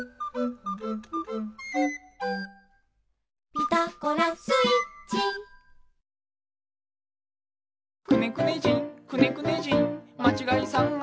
「ピタゴラスイッチ」「くねくね人くねくね人まちがいさがし」